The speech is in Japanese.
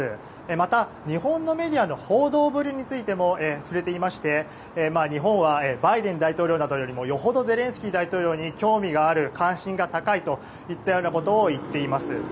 また、日本のメディアの報道ぶりにも触れていまして日本はバイデン大統領などよりもよほどゼレンスキー大統領に興味がある関心が高いといったようなことを言っています。